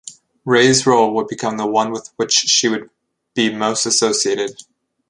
Wray's role would become the one with which she would be most associated.